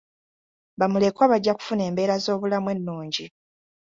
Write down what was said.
Bamulekwa bajja kufuna embeera z'obulamu ennungi.